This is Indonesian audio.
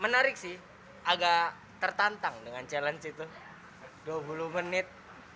menarik sih agak tertantang dengan challenge itu dua puluh menit